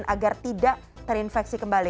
agar tidak terinfeksi kembali